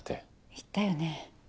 言ったよね